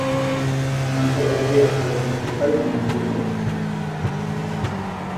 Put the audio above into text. L’intérêt d’Ayrton n’est-il pas identique au nôtre?